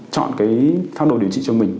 chọn cái pháp đồ điều trị cho mình